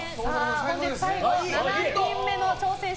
本日最後、７人目の挑戦者。